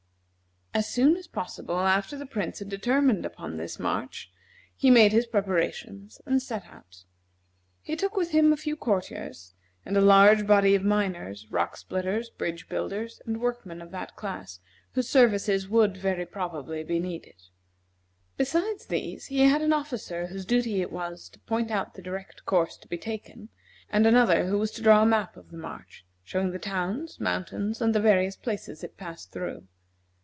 As soon as possible after the Prince had determined upon this march, he made his preparations, and set out. He took with him a few courtiers, and a large body of miners, rock splitters, bridge builders, and workmen of that class, whose services would, very probably, be needed. Besides these, he had an officer whose duty it was to point out the direct course to be taken, and another who was to draw a map of the march, showing the towns, mountains, and the various places it passed through.